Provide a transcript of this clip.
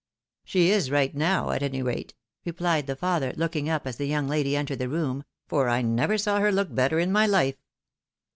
'"_" She is right now, at any rate," replied the father, looking up as the young lady entered the room, " for I never saw her look better in my Mfe."